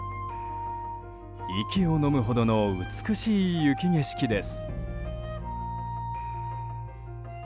息をのむほどの美しい雪景色です。